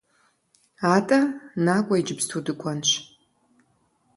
АтӀэ накӀуэ иджыпсту дыкӀуэнщ.